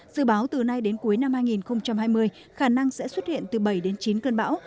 dự báo từ nay đến cuối năm hai nghìn hai mươi khả năng sẽ xuất hiện từ bảy đến chín cơn bão